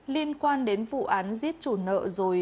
liên quan đến vụ án giết chủ nợ